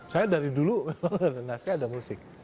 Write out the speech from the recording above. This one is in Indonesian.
saya dari dulu naskah ada musik